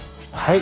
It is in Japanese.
はい！